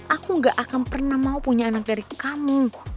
aku gak akan pernah mau punya anak dari kamu